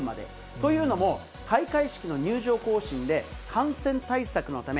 というのも、開会式の入場行進で、感染対策のため、